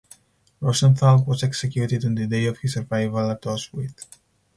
Rosenthal was executed on the day of his arrival at Auschwitz.